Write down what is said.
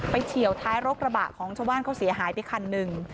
เฉียวท้ายรกระบะของชาวบ้านเขาเสียหายไปคันหนึ่ง